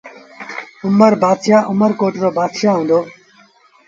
اُمر بآتشآه اُمر ڪوٽ رو بآتشآه هُݩدو۔